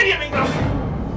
ini dia yang kerap gini